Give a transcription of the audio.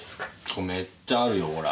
これめっちゃあるよほら！